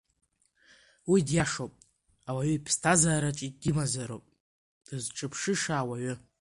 Уи диашоуп, ауаҩы иԥсҭазаараҿы димазароуп дызҿыԥшыша ауаҩы.